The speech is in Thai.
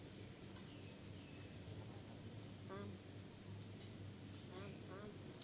ขอบคุณครับ